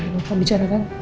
lupa bicara kan